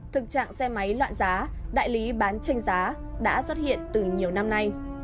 thực trạng xe máy loạn giá đại lý bán tranh giá đã xuất hiện từ nhiều năm nay